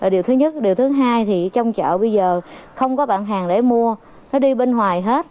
điều thứ nhất điều thứ hai thì trong chợ bây giờ không có bạn hàng để mua nó đi bên ngoài hết